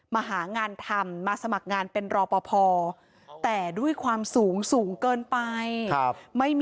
มาหางานทำมาสมัครงานเป็นรอปภแต่ด้วยความสูงสูงเกินไป